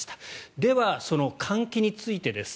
では、その換気についてです。